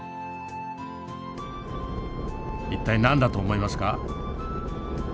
一体何だと思いますか？